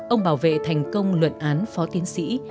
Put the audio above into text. ông bảo vệ thành công luận án phó tiến sĩ